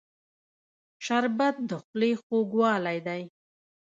شربت د خولې خوږوالی دی